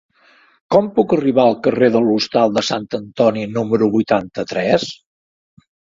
Com puc arribar al carrer de l'Hostal de Sant Antoni número vuitanta-tres?